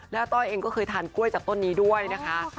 แล้วอาต้อยเองก็เคยทานกล้วยจากต้นนี้ด้วยนะคะ